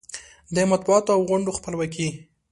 د مطبوعاتو او غونډو خپلواکي